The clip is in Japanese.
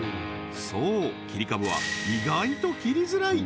そう切り株は意外と切りづらい